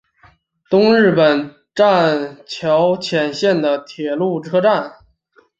东日本桥站浅草线的铁路车站。